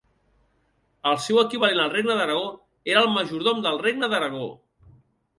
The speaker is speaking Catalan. El seu equivalent al regne d'Aragó era el majordom del regne d'Aragó.